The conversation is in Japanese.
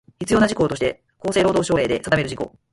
必要な事項として厚生労働省令で定める事項